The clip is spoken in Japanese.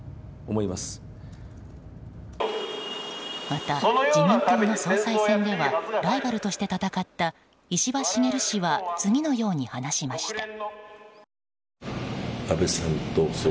また自民党の総裁選ではライバルとして戦った石破茂氏は次のように話しました。